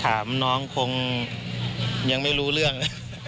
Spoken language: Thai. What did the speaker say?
ถามน้องคงยังไม่รู้เรื่อง